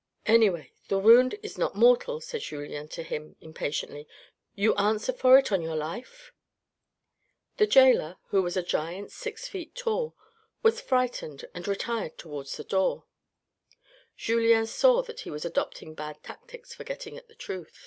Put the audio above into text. " Anyway, the wound is not mortal," said Julien to him impatiently, " you answer for it on your life ?" The gaoler, who was a giant six feet tall, was frightened and retired towards the door. Julien saw that he was adopting bad tactics for getting at the truth.